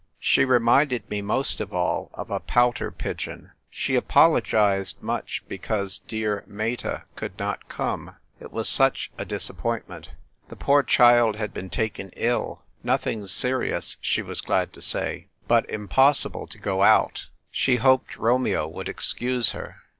She reminded me most of all of a pouter pigeon. She apologised much because dear Meta could not come. It was such a disappoint ment. The poor child had been taken ill — nothing serious she was glad to say — but im A DRAWN HATTLE. 183 possible to go out. She hoped Romeo would excuse her.